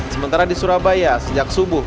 sementara di surabaya sejak subuh